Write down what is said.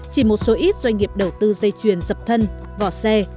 chỉ một số ít doanh nghiệp đầu tư dây chuyền dập thân vỏ xe